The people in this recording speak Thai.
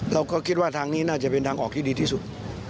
เราก็คิดว่าทางนี้น่าจะเป็นทางออกที่ดีที่สุด